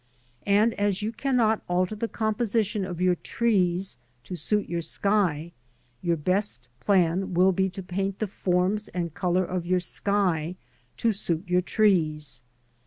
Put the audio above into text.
And as you cannot alter the composition of your trees to suit your sky, your best plan will be to paint the forms and colour of your sky to suit your trees.